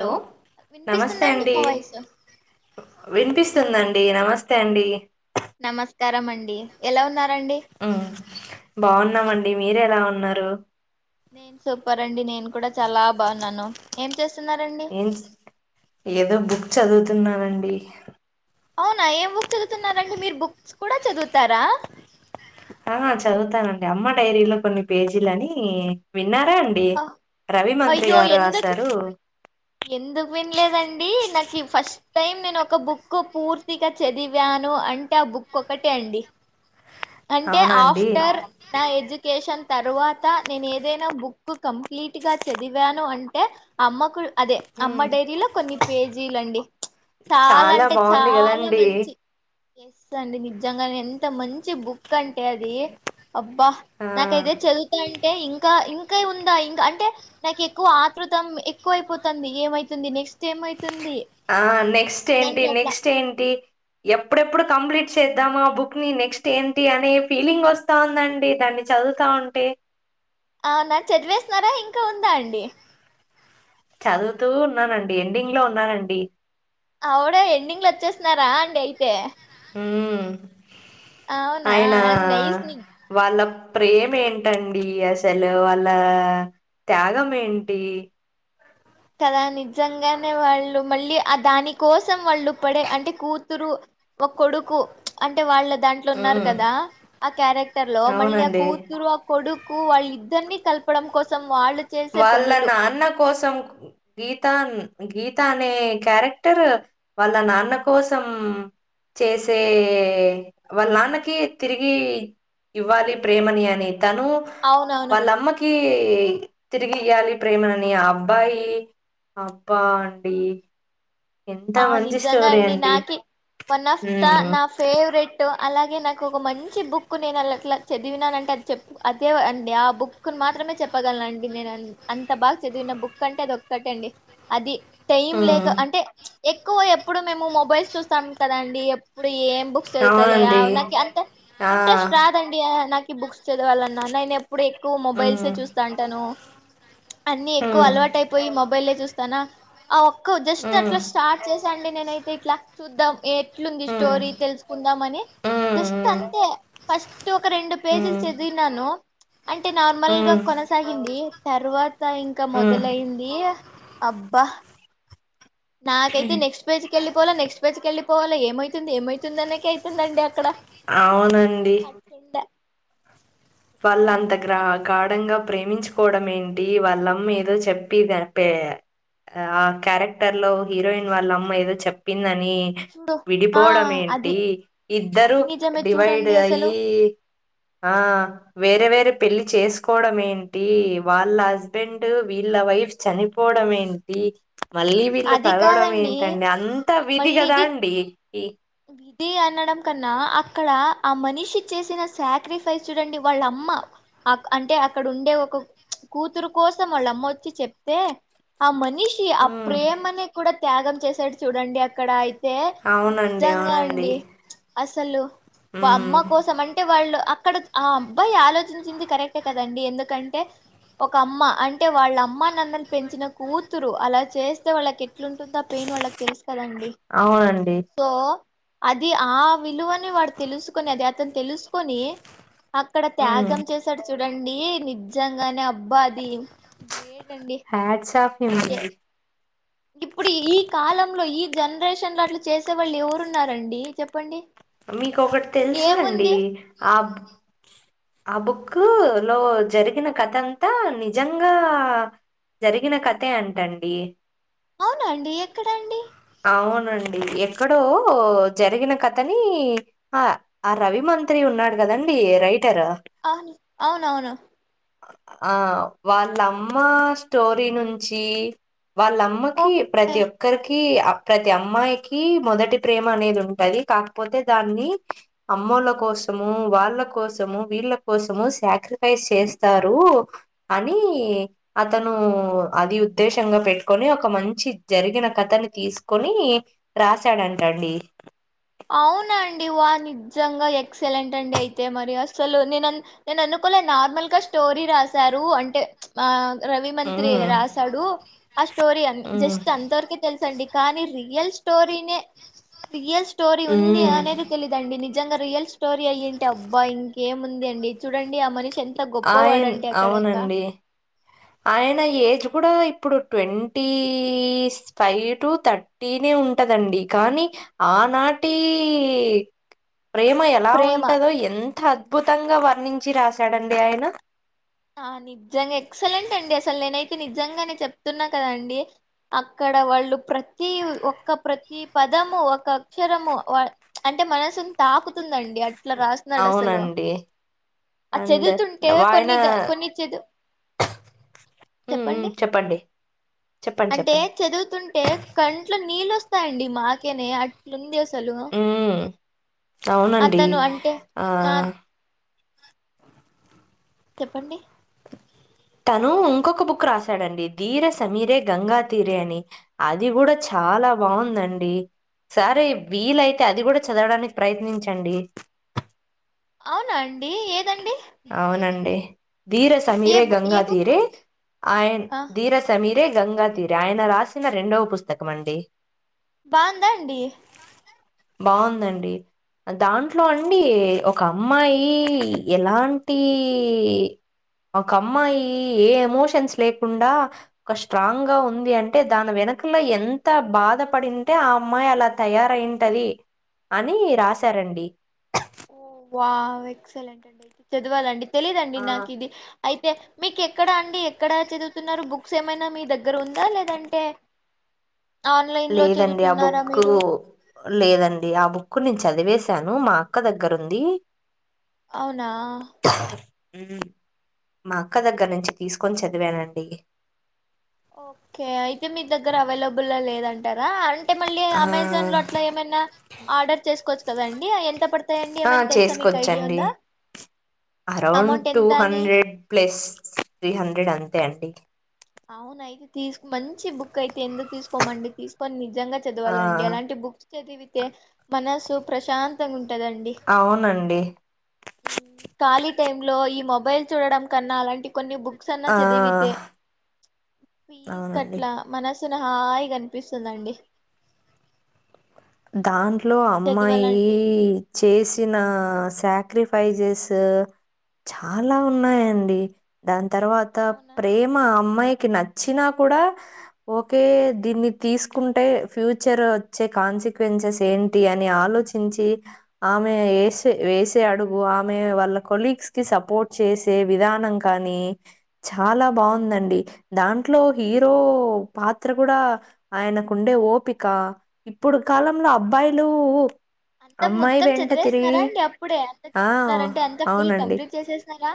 Hello నమస్తే వినిపిస్తుందండి అండి మా వాయిస్ వినిపిస్తుందండి డి నమస్తే అండి నమస్కారం మండి ఎలావ నా అనండి ఉమ్, బాగున్నామండి మీరు ఎలా ఉన్నారు నేను సూపర్ అండి నేను కూడా చాలా బాగున్నాను ఏం చేస్తా న్స్ ఏదో బుక్ చదువు న్నానండి అవునా ఏం బుక్ చదువుతున్నారండి మీరు బుక్స్ కూడా చదువుతారా ఆ చదువుతానండి అమ్మ డైరీలో కొన్ని పేజీలని విన్నారా అండి ఆ రవి మంత్రి అయ్యో గారు ఎందుకు రాశారు ఎందుకు వినలేదండి నాకి ఫస్ట్ టైం నేను ఒక బుక్ పూర్తిగా చదివాను అంటే ఆ బుక్ ఒకటే అండి అంటే అవునా అండి ఆఫ్టర్ నా ఎడ్యుకేషన్ తరువాత నేను ఏదైనా బుక్ కు కంప్లీట్ గా చదివాను అంటే అమ్మకు అదే అమ్మ ఉమ్, డైరీలో కొన్ని పేజీలు అండి. చాలా అంటే బాగుంది చాలా కదండి మంచి ఎస్ అండి నిజంగానే ఎంత మంచి బుక్ అంటే అది. అబ్బా నాకైతే ఆ చదువుతా అంటే ఇంకా ఇన్ ఇంకా ఉందా ఇంకా అంటే నాకు ఎక్కువ ఆతృతం ఎక్కువ అయిపోతాంది. ఏమైతుంది నెక్స్ట్ ఏమై ఆ నెక్స్ట్ ఏంటి, అట్లా నెక్స్ట్ ఏంటి ఎప్పుడెప్పుడు కంప్లీట్ చేద్దాం ఆ బుక్ ని నెక్స్ట్ ఏంటి అని ఫీలింగ్ వస్తా ఉందండి. దాన్ని చదువుతా ఉంటే అవునా చదివేస్తున్నారా ఇంకా ఉందా అండి. చదువుతూ ఉన్నానండి, ఎండింగ్ లో ఉన్నానండి. అవుడ ఎండింగ్ లో వచ్చేస్తున్నారా అండి. అయితే మ్మ్ అవునా ఆయన నైస్ ని వాళ్ళ ప్రేమేంటండి అసలు వాళ్ళ త్యాగం ఏంటి. కదా నిజంగానే వాళ్ళు మళ్ళీ ఆ దాని కోసం వాళ్ళు పడే అంటే కూతురు ఒక కొడుకు అంటే వాళ్ళ దాంట్లో ఉన్నారు హ్మ్. కదా ఆ క్యారెక్టర్ లో మళ్ళీ ఆ అవునండి. కూతురు, ఆ కొడుకు కు వాళ్ళ ఇద్దరిని కలపడం కోసం వాళ్ళు చేసే వాళ్ళ పనులు నాన్న కోసం గీత గీత అనే క్యారెక్టర్ వాళ్ళ నాన్న కోసం చేసే వాళ్ళ నాన్నకి తిరిగి ఇవ్వాలి. ప్రేమని అని తను అవునవును వాళ్ళమ్మకి కీ తిరిగి ఇయ్యాలి ప్రేమని ఆ అబ్బాయి అబ్బా అండి. ఎంత ఆ మంచి నిజంగా స్టోరీ అండి నాకి వన్ ఆఫ్ ద ఉమ్, నా ఫేవరెటు అలాగే నాకు ఒక మంచి బుక్ బుక్ నేను అల అట్లా చదివినానంటే అది చెప్పు అదే అండి ఆ బుక్ మాత్రమే చెప్పగలను అండి. నేను అం అంత బాగా చదివిన బుక్ అంటే అది ఒక్కటండి అది టైం లేక ఉమ్, అంటే ఎక్కువ ఎప్పుడు మేము మొబైల్స్ చూస్తాం కదండి ఎప్పుడు ఏం బుక్స్ వెతుతలే ఆ అవునండి నాకి అంత ఆ, ఇంట్రెస్ట్ రాదండి. ఆ నా బుక్స్ చదవాలన్న నేన్ ఏ ఇప్పుడు ఎక్కువ మొబైల్ సే ఉమ్, చూస్తా అంటాను. అన్ని ఎక్కువ ఉమ్, అలవాటు అయిపోయి మొబైల్ ఎ చు తన ఆ ఒక్క జస్ట్ ఉమ్, అట్లీస్ట్ స్టార్ట్ చేసాండి నేనైతే ఇట్లా చూద్దాం. ఎట్లుంది స్టోరీ ఉమ్. తెలుసుకుందామ అని జస్ట్ హ్మ్ అంతే ఫస్ట్ ఒక రెండు పేజీలు హ్మ్ చదివినను అంటే నార్మల్ గా కొనసాగింది తర్వా ఇంకా ఇంకా హ్మ్ మొదలయింది. అబ్బా నాకైతే నెక్స్ట్ పేజ్ కెళ్ళపోవాలా నెక్స్ట్ బ్యాచ్కి వెళ్ళివాలా ఏమవుతుంది ఏమవుతుంది అక అవునండి వాళ్ళ అంత గ్రాహ గాఢంగా ప్రేమించుకోవడం ఏంటి వాళ్ళమ్మ ఏదో చెప్పిదిని ఆ క్యారెక్టర్ లో హీరోయిన్ వాళ్ళ అమ్మ ఏదో చెప్పిందని చూడు ఆ విడిపోవడం అది ఏంటి ఇద్దరు అది నిజమే డివైడ్ చూడండి అసలు అయి ఆ వేరే వేరే పెళ్లి చేసుకోవడం ఏంటి వాళ్ళ హస్బెండ్ వీళ్ళ వైఫ్ చనిపోవడం ఏంటి మళ్ళీ వీళ్లు అది కలవడం కాదండి ఏంటండి అంత విధి మళ్ళీ కదా ఇది అండి ఈ ఇది అన కన్నా అక్కడ ఆ మనిషి చేసిన సాక్రిఫైస్ చూడండి వాళ్ళమ్మ అంటే అక్కడ ఉండే ఒక కూతురు కోసం వాళ్ళమ్మ వచ్చి చెప్తే ఆ మనిషి ఆ ఉమ్ ప్రేమనే కూడా త్యాగం చేస్త సట్ చూడండి అక్కడయి తె అవును అండి అసలు అమ్మ కోసం అంటే వాళ్ళు అక్కడ ఆ అబ్బాయి ఆలోచించింది కరెక్టే కదండి ఎందుకంటే ఒక అమ్మ అంటే వాళ్ళ అమ్మా నన్నలు పెంచిన కూతురు అలా చేస్తే వాళ్ళకి ఎట్లుంటుందో ఆ పెయిన్ వాళ్ళకి తెలుసు కదండి అవునండి సో అది ఆ విలువని వాడు తెలుసుకున అది అతను తెలుసుకొని అక్కడ ఉమ్ త్యాగం చేశాడు చూడండి అండి నిజంగానే అ అబ్బాద గ్రేట్డి హ్యాట్స్ ఆఫ్ హిమ్ అండి ఇప్పుడు ఈ కాలంలో ఈ జనరేషన్ లో అట్లు చేసే వాళ్ళు ఎవరున్నారండి చెప్పండి మీకు ఒకటి తెలుసా అండి ఏముంది ఆ ఆ బుక్ కు లో జరిగిన కథ అంతా నిజంగా జరిగిన కథే అంటండి అవునండి ఎక్కడండి అవునండి ఎక్కడో జరిగిన కథ కాని ఆ ఆ రవి మంత్రి ఉన్నాడు కదండి రైట్ అవును అవును అవును ఆ వాళ్ళమ్మ స్టోరీ నుంచి వాళ్ళమ్మకి ఓకే ప్రతి ఒక్కరికి ప్రతి అమ్మాయికి మొదటి ప్రేమ అనేది ఉంటది కాక పోతే దాన్ని అమ్మోళ్ళ కోసము వాళ్ళ కోసము వీళ్ళ కోసము శాక్రిఫైస్ చేస్తారు అని అతను అది ఉద్దేశంగా పెట్టుకొని ఒక మంచి జరిగిన కథని తీసుకొని రాశాడంటండి అవునా అండి వా నిజంగా ఎక్సలెంట్ అండి అయితే మరి అసలు నేను నేను అనుకోలే నార్మల్గా స్టోరీ రాశారు అంటే రవి మంత్రి ఉమ్ రాశాడు ఆ స్టోరీ ఉమ్ జస్ట్ అంతవరకే తెలుసండి కానీ రియల్ స్టోరిని రియల్స్ స్టోరీ ఉంది ఉమ్ అనేది తెలిదండి ని నిజంగా రియల్ స్టోరీ అయ్యింటే అబ్బా ఇంకేముంది అండి చూడండి ఆ మనిషి ఎంత ఆయన్ గొప్పవాడంటే అక్కడ ఇంకా అవునండి ఆయన ఏజ్ కూడా ఇప్పుడు ట్వంటీ ఫైవ్ టు థర్టీనే ఉంటుదండి కానీ ఆనాటి ప్రేమ ఎలా ప్రేమ ఉంటందో ఎంత అంత అద్భుతంగా వర్ణించి రాశాడంండి ఆయన ఆ నిజంగా ఎక్సలెంట్ అండి అసలు నేనైతే నిజంగానే చెప్తున్నా కదండి అక్కడ వాళ్ళు ప్రతి ఒ ప్రతి పదము ఒక అక్షరము అంటే మనసుని తాకుతుందండి అట్లా రాస్తున్నాడు అసలు అవునండి ఆ అండ్ చదువుతుంటే వాయన కొన్ని ద- కొన్ని చదువు హ్మ్. హ్మ్. చెప్పండి చెప్పండి. అంటే చెప్పండి. చదువుతుంటే కంట్లు నీళ్ళు వస్తాయండి మాకేనే అట్లుందిస్ ఉ అవునండి అతను అంటే ఆ చెప్పండి తను ఇంకొక బుక్ రాశాడండి ధీర సమీరే గంగా తీరే అని అది కూడా చాలా బావుందండి సరే వీలైతే అది కూడా చదవడానికి ప్రయత్నించండి అవునా అండి ఏ అవునం డి ధీర ఏ సమీరే బు- ఏ బుక్ గంగాధీరే ఆయన్ ధీర సమీ టే గంగా తీర ఆయన రాసిన రెండవ పుస్తకం అండి బాగుందా అండి బావుందండి దాంట్లో అండి అవును ఒక అమ్మాయి ఎలా ంటి ఒక అమ్మాయి ఏ ఎమోషన్స్ లేకుండా ఒక స్ట్రాంగ్ గా ఉంది అంటే దాని వెనకల ఎంత బాధపడింటే ఆ అమ్మాయి అలా తయారయింటది అని రాశారండి ఓ వావ్ ఎక్సలెంట్ అండి అయితే చదవాలండి తెలీదండి ఆ నాకి ఇది అయితే మీకు ఎక్కడా అండి ఎక్కడ చదువుతున్నారు బుక్స్ ఏమైనా మీ దగ్గర ఉందా లేదంటే ఆన్లైన్ లో లేదండి ఆ చదువుతున్నారా బుక్కు మీరు లేదండి ఆ బుక్కు నేను చదివేసి టాను మా అక్క దగ్గరుంది అవునా మా అక్క దగ్గర నుంచి తీసుకొని చదివానండి ఓకే అయితే మీ దగ్గర అవైలబుల్ ల లేదంటారా అం టే మళ్ళీ ఆ అమెజాన్ లో అట్ల ఏమైనా ఆర్డర్ చేసుకోవచ్చు టదండి ఎంత పడ్త ఆ చేసుకోవచ్చండి అరౌండ్ అమౌంట్ టూ ఎంత అని హండ్రెడ్ ప్లస్ త్రీ హండ్రెడ్ అంతే అండి అవున అయితే తీసుకో మంచి బుక్ అయితే ఎందుకు తీసుకోమండి తీసుకొని ని నజంగా ఆ చదవాలండి అలాంటి బుక్స్ చదివితే మన సో ప్రశాంతంగా ఉంట అవునండి ఉమ్, ఖాళీ టైమ్ లో ఈ మొబైల్ చూడడం కన్నా అలాంటి కొన్ని బుక్స్ అన్నా ఆ చదివితే పీస్ అవునండి కట్లా మన అసలు హాయిగన్పిస్తుందండి దాంట్లో అమ్మాయి చేసిన సాక్రిఫైజెస్ చాలా ఉన్నాయండి దా తర్వాత అవునా ప్రేమ అమ్మాయికి నచ్చినా కూడా ఓకే దీన్ని తీసుకుంటే ఫ్యూచర్ వచ్చే కాన్సిక్ క్వెన్సెస్ ఏంటి అని ఆలోచించి ఆమె ఎసే వేసే అడుగు ఆమె వాళ్ళ కొలీగ్స్ కి సపోర్ట్ చేసే విధానం కానీ చాలా బావుందండి దాంట్లో హీరో పాత్ర కూడా ఆయనకుండే ఓపిక ఇప్పుడు కాలంలో అబ్బాయిలు అంత అమ్మాయి మొత్తం వెంట తిరిగి చదివేస్తున్నారా అండి అప్పుడే అంత ఆ! చెప్తున్నారంటే అంత ఫుల్ అవునండి. కంప్లీట్ చేసేసినారా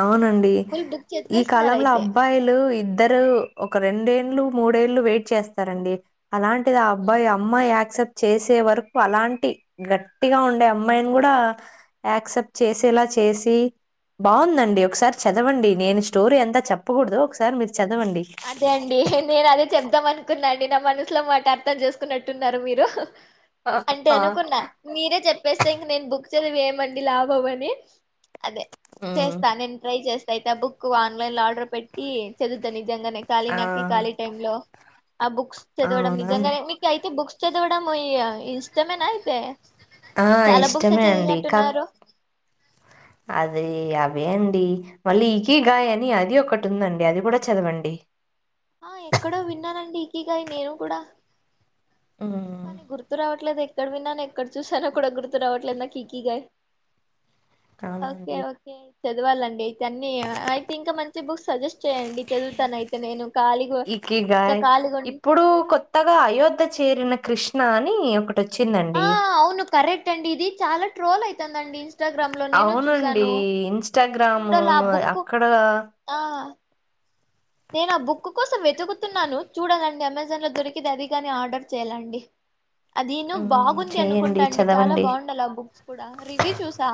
అవునండి ఫుల్ బుక్ ఈ చదివేస్తున్నారు కాలంలో అయితే అబ్బాయిలు ఇద్దరు ఒక రెండే ళ్లు మూడేళ్ళు వెయిట్ చేస్తారండి అలాంటిది ఆ ఉమ్. అబ్బాయి అమ్మాయి యాక్సెప్ట్ చేసే వరకు అలాంటి గట్టిగా ఉండే అమ్మాయిని కూడా యాక్సెప్ట్ చేసేలా చేసి బావుందండి ఒకసారి చదవండి నేను స్టోరీ అంతా చెప్పకూడదు ఒకసారి మీ అదే అండి నేను అదే చెబ్దాం అనుకున్నా నా మనసులో మాట అర్థం చేసుకున్నట్టున్నారు మీరు అంటే ఆ! అనుకున్నా మీరే చెప్పేస్తే ఇంక నేను బుక్ చదివి ఏమండీ లాభం అని అదే హ్మ్. చేస్తా నేను ట్రై చేస్ అయితే ఆ బుక్ ఆన్లైన్ లో ఆర్డర్ పెట్టి చదువుత నిజంగానే ఖాళీ ఆ! నాకి ఖాళీ టైం లో ఆ బుక్స్ చదవడం అవునండి. నిజంగానే మీకు అయితే బుక్స్ చదవడము ఇగ ఇష్టమేనా అయితే ఆ చాలా బుక్స్ ఇష్టమే అండి క చదివినట్టున్నారు అదే అవే అండి మళ్ళీ ఇకిగై అని అది ఒకటి ఉందండి అది కూడా చదవండి ఆ ఎక్కడో విన్నానండి ఇకిగై నేను కూడా హ్మ్. కానీ గుర్తు రావట్లేదు ఎక్కడ విన్నాను ఎక్కడ చూసాను కూడా గుర్తు రావట్లేదు నాకు ఇకిగై ఓకే అవునండి ఓకే చదవాలండి అయితే అన్నీ అయితే ఇంకా మంచి బుక్స్ సజెస్ట్ చేయండి చదువుతాను అయితే నేను ఖాళీగా ఇంకా ఇకిగై ఖాళీగా ఉం ఇప్పుడు కొత్తగా అయోధ్య చేరిన కృష్ణ నా అని ఒకటి ఆ వచ్చిందండి అవును కరెక్ట్ అండి ఇది చాలా ట్రోల్ అయితంది అండి అవునండి ఇన్స్టాగ్రామ్ చూడాల ఆ బుక్ అక్కడ ఆ నేను ఆ బుక్ కోసం వెతుకుతున్నాను చూడాలండి అమెజాన్లో దొరికితే అది కాని ఆర్డర్ చేయ్యాలండి అదిను మ్మ్ బాగుంది చెయ్యండి అనుకుంటా అండి చాలా చదవండి బాగుండాలి ఆ బుక్స్ కూడా రివ్యూ చూసా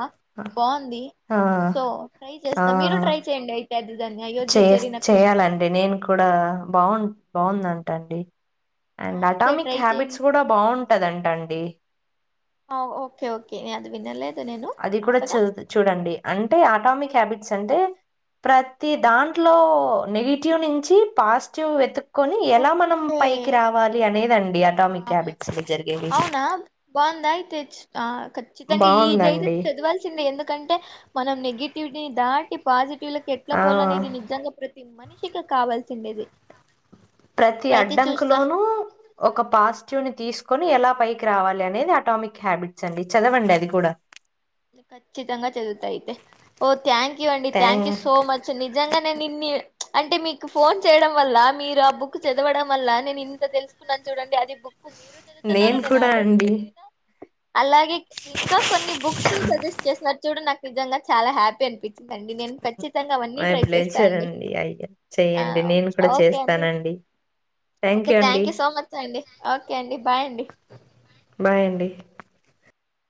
బాగుంది ఆ సో ట్రై ఆ చేస్తా మీరు ట్రై చేయండి అయితే దిధన్య అయోధ్య చెరిన కృష్ణ చాలండి నేను కూడా బాగు బాగుందంట తండి అండ్ అయితే అటామిక్ ట్రై చేయండి హ్యాబిట్స్ కూడా బాగుంటదింట అండి ఆ ఓకే ఓకే నేను అది వినలేదు నేను అది కూడా అంతగా చ చూడండి అంటే అటామిక్ హ్యాబిట్స్ అంటే ప్రతి దాంట్లో నెగిటివ్ నుంచి పాజిటివ్ వెతు కొని ఎలా మనం ఓకే పైకి రావాలి అనేదండి యా అటామిక్ హ్యాబిట్స్ లో జరిగేవి అవునా బాగుందా అయితే చ్- ఆ ఖచ్చితంగా ఇదియితే చదవాల్సిందే ఎందుకంటే మనం నెగిటివ్ దాటి పాజిటివ్ ఎట్లా ఆ పోలనేది నిజంగా ప్రతి మనిషి పచిక కావాల్సిండేది ప్రతి అయితే అడ్డంకు చూస్తా లోనూ ఒక పాజిటివ్ ని తీసుకు కొని ఎలా పైకి రావాలి అనేది అటామిక్ హ్యాబిట్స్ అండి చదవండి అది కూడా ఖచ్చితంగా చదువుతా అయితే ఓ థ్యాంక్ యూ అండి థ్యాంక్ యూ సో మచ్ నిజంగానే నిన్నన్ని అంటే మీకు ఫోన్ చేయడం వల్ల మీరు ఆ బుక్ చదవడం వల్ల నేను ఇంత తెలుసుకున్నాను చూడండి అది బుక్ మీరు చదువుతున్నారుార నేను కూడా ఆల్రెడీ అండి చదివిన అలాగే ఇంకా కొన్ని బుక్స్ తు సజెస్ట్ చేసి చూ నాకు నిజంగా చాలా హ్యాపీ అనిపించి నేను ఖచ్చితంగా అవన్నీ మై ట్రై చేస్తా ప్లేజర్ అండి అయ్యా ఆ చెయ్యండి నేను కూడా ఓకే అండి చేస్తానండి okay thank you so much అండి ఓకే అండి బాయ్ అండి బాయ్ అండి